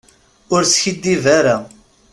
Ur skiddib ara.